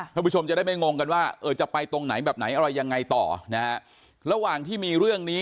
ผู้ชมจะได้ไม่งงกันว่าเออจะไปตรงไหนแบบไหนอะไรยังไงต่อนะฮะระหว่างที่มีเรื่องนี้